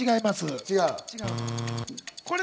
違う。